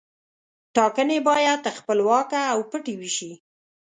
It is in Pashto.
ټاکنې باید خپلواکه او پټې وشي.